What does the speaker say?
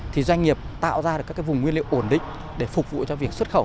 thì doanh nghiệp tạo ra được các cái vùng nguyên liệu ổn định để phục vụ cho việc xuất khẩu